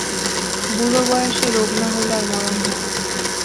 বুড়াবয়সে রোগ না হইলে আর মরণ হয় না।